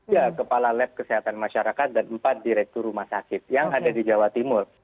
ya kepala lab kesehatan masyarakat dan empat direktur rumah sakit yang ada di jawa timur